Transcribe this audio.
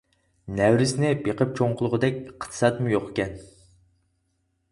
نەۋرىسىنى بېقىپ چوڭ قىلغۇدەك ئىقتىسادىمۇ يوقكەن.